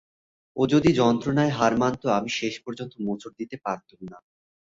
ও যদি যন্ত্রণায় হার মানত আমি শেষ পর্যন্ত মোচড় দিতে পারতুম না।